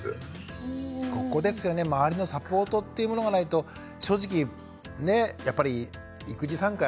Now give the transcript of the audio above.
ここですよね周りのサポートっていうものがないと正直ねやっぱり育児参加